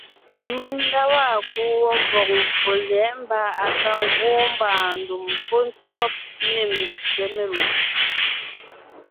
Mèŋ nda waa kuu wó mvɔ̀g mvfò lyɛ̌ʼ mbà à ka gwoon mbàandùm pɔ́ ntsɔ́b ne mbyè melùʼ;